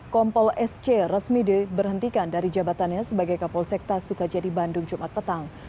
kompol sc resmi diberhentikan dari jabatannya sebagai kapolsekta sukajadi bandung jumat petang